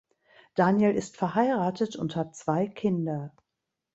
Daniel ist verheiratet und hat zwei Kinder.